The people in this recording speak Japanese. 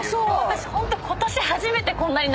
私ホント。